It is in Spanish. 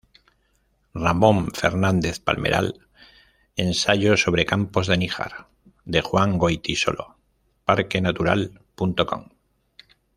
Ramón Fernández Palmeral: "Ensayo sobre "Campos de Níjar" de Juan Goytisolo," Parquenatural.com.